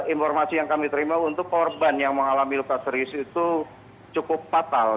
informasi yang kami terima untuk korban yang mengalami luka serius itu cukup fatal